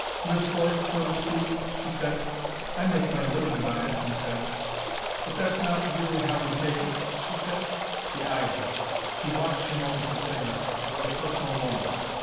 "Live for it, so to speak," she said. "I make my living by it," he said. "But that's not really how you take it?" she said. He eyed her. She watched him over her cigarette. It was a personal moment.